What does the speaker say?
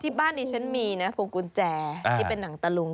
บ้านนี้ฉันมีนะพวงกุญแจที่เป็นหนังตะลุง